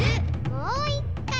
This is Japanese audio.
もういっかい！